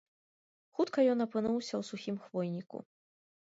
Хутка ён апынуўся ў сухім хвойніку.